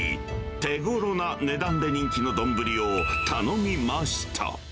手ごろな値段で人気の丼を頼みました。